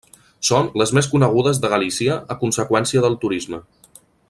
Són les més conegudes de Galícia a conseqüència del turisme.